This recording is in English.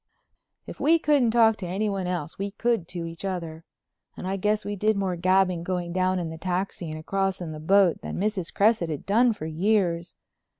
If we couldn't talk to anyone else we could to each other and I guess we did more gabbing going down in the taxi and across in the boat than Mrs. Cresset had done for years.